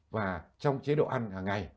và trong chế độ ăn hàng ngày